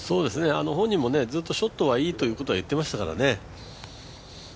本人もずっとショットはいいということは言ってましたからね。